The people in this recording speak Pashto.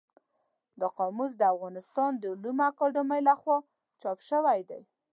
دا قاموس د افغانستان د علومو اکاډمۍ له خوا چاپ شوی دی.